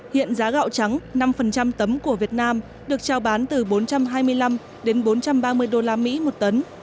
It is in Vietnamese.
hiện giá gạo trắng năm tấm của việt nam được trao bán từ bốn trăm hai mươi năm đến bốn trăm ba mươi đô la mỹ một tấn